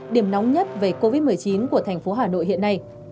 điểm nóng nhất về covid một mươi chín của tp hcm